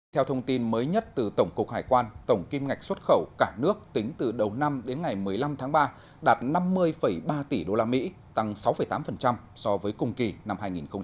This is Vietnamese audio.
theo thông tin mới nhất từ tổng cục hải quan tổng kim ngạch xuất khẩu cả nước tính từ đầu năm đến ngày một mươi năm tháng ba đạt năm mươi ba tỷ usd tăng sáu tám so với cùng kỳ năm hai nghìn một mươi chín